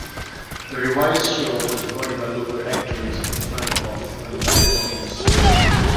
The revised show was recorded by local actors in front of a live audience.